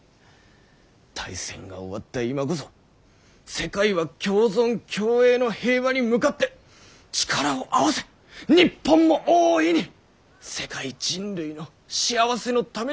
大戦が終わった今こそ世界は共存共栄の平和に向かって力を合わせ日本も大いに世界人類の幸せのために力を尽くすべき時なんだ。